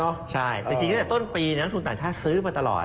โอ้โฮทั้งปีนี่ต่างประเทศ